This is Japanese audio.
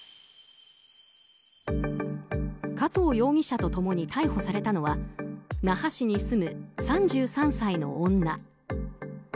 加藤容疑者と共に逮捕されたのは那覇市に住む３３歳の女。